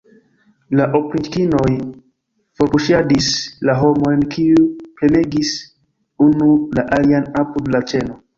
La opriĉnikoj forpuŝadis la homojn, kiuj premegis unu la alian apud la ĉeno.